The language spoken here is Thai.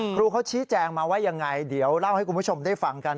ครูเขาชี้แจงมาว่ายังไงเดี๋ยวเล่าให้คุณผู้ชมได้ฟังกัน